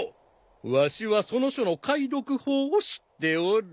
わしはその書の解読法を知っておる。